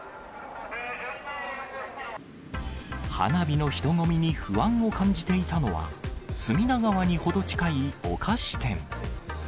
花火の人混みに不安を感じていたのは、隅田川に程近いお菓子店。